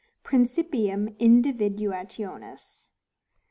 Principium Individuationis.